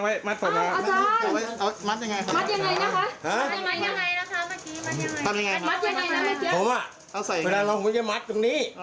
ผมตอบเขาบอกว่าเรื่องจริง